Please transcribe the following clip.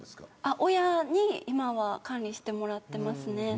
親に今は管理してもらっていますね。